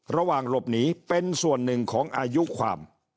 ระหว่างหลบหนีเป็นส่วนหนึ่งของอายุความ